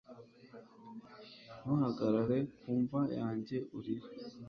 Ntuhagarare ku mva yanjye urire